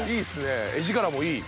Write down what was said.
画力もいい！